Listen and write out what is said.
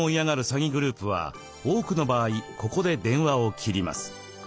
詐欺グループは多くの場合ここで電話を切ります。